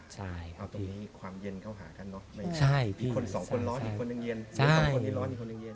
เอาตรงนี้ความเย็นเข้าหากันเนอะมีคนสองคนร้อนอีกคนหนึ่งเย็น